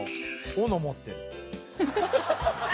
斧持ってる。